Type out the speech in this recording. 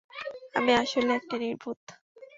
আমি আসলেই একটা নির্বোধ!